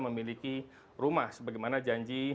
memiliki rumah sebagaimana janji